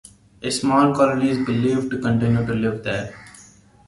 A small colony is believed to continue to live there.